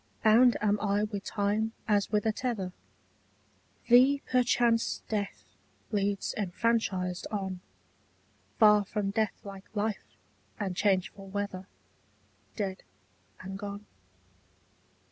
Bound am I with time as with a tether; Thee perchance death leads enfranchised on, Far from deathlike life and changeful weather, Dead and gone.